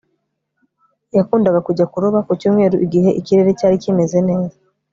yakundaga kujya kuroba ku cyumweru igihe ikirere cyari kimeze neza